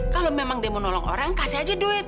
kalau memang dia mau nolong orang kasih aja duit